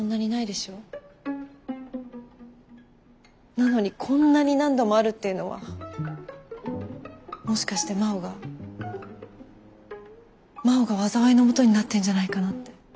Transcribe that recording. なのにこんなに何度もあるっていうのはもしかして真央が真央が災いのもとになってるんじゃないかなって。